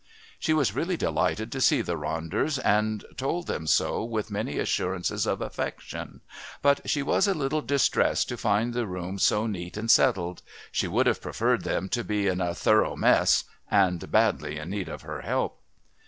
She was really delighted to see the Ronders, and told them so with many assurances of affection, but she was a little distressed to find the room so neat and settled. She would have preferred them to be "in a thorough mess" and badly in need of her help.